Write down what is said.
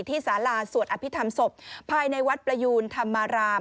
สาราสวดอภิษฐรรมศพภายในวัดประยูนธรรมาราม